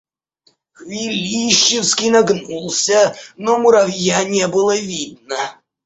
Хвилищевский нагнулся, но муравья не было видно.